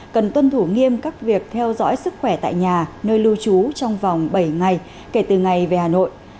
cần tuân thủ nghiêm các việc theo dõi sức khỏe tại nhà nơi lưu trú trong vòng bảy ngày kể từ ngày về hà nội